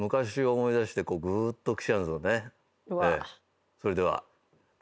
それでは。